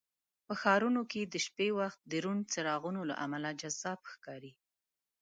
په ښارونو کې د شپې وخت د روڼ څراغونو له امله جذاب ښکاري.